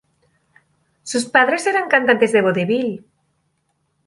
Sus padres eran cantantes de vodevil.